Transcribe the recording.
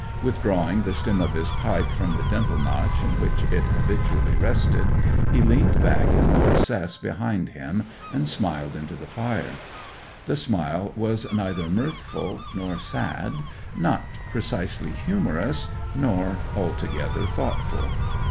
Withdrawing the stem of his pipe from the dental notch in which it habitually rested, he leaned back in the recess behind him and smiled into the fire. The smile was neither mirthful nor sad, not precisely humorous nor altogether thoughtful.